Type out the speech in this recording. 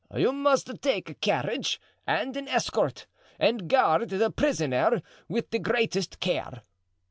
You must take a carriage and an escort, and guard the prisoner with the greatest care."